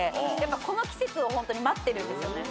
この季節をホントに待ってるんですよね。